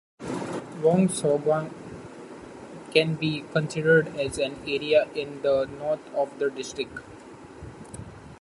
Wong Sawang can be considered as an area in the north of the district.